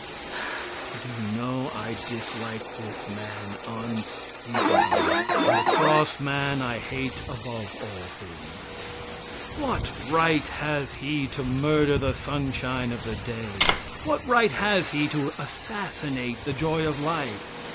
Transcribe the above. Do you know I dislike this man unspeakably; and a cross man I hate above all things. What right has he to murder the sunshine of the day? What right has he to assassinate the joy of life?